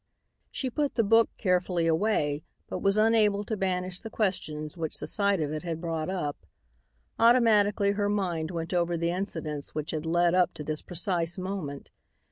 She put the book carefully away but was unable to banish the questions which the sight of it had brought up. Automatically her mind went over the incidents which had led up to this precise moment.